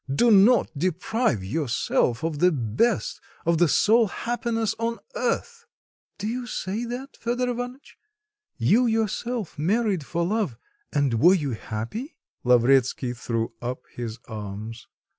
Do not deprive yourself of the best, of the sole happiness on earth." "Do you say that, Fedor Ivanitch? You yourself married for love, and were you happy?" Lavretsky threw up his arms.